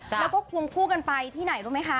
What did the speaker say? แล้วก็ควงคู่กันไปที่ไหนรู้ไหมคะ